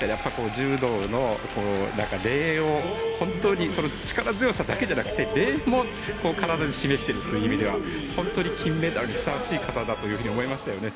柔道の礼を本当に力強さだけじゃなくて礼も体で示しているという意味では本当に金メダルにふさわしい方だと思いましたよね。